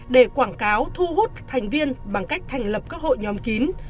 để quảng cáo thu hút thành viên bằng cách thành lập các hội nhóm kín